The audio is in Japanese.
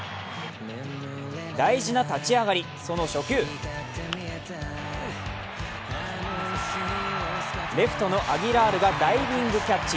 大事な立ち上がり、その初球レフトのアギラールがダイビングキャッチ。